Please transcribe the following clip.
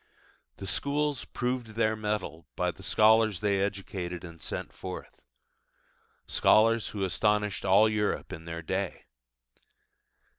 The schools proved their mettle by the scholars they educated and sent forth: scholars who astonished all Europe in their day.